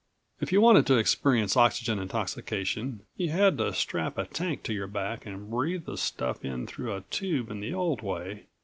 If you wanted to experience oxygen intoxication you had to strap a tank to your back and breathe the stuff in through a tube in the old way.